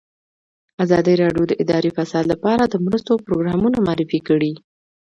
ازادي راډیو د اداري فساد لپاره د مرستو پروګرامونه معرفي کړي.